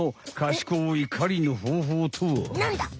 なんだ？